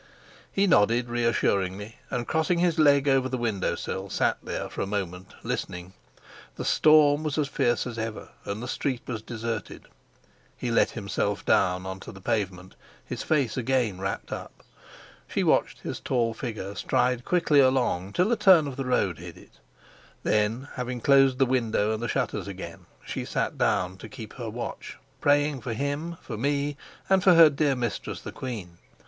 He nodded reassuringly, and crossing his leg over the windowsill, sat there for a moment listening. The storm was as fierce as ever, and the street was deserted. He let himself down on to the pavement, his face again wrapped up. She watched his tall figure stride quickly along till a turn of the road hid it. Then, having closed the window and the shutters again, she sat down to keep her watch, praying for him, for me, and for her dear mistress the queen.